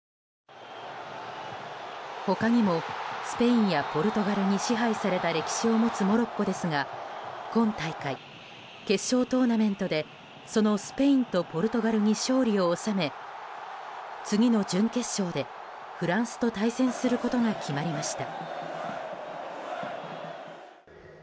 他にも、スペインやポルトガルに支配された歴史を持つモロッコですが、今大会決勝トーナメントでそのスペインとポルトガルに勝利を収め次の準決勝でフランスと対戦することが決まりました。